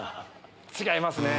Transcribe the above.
違いますね。